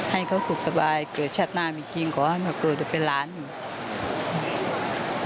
ให้เขาสุขสบายเกิดแชทนามจริงก็ว่าเกิดเป็นร้านหนึ่ง